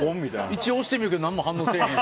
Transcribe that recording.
一応押してみるけど何も反応せえへん。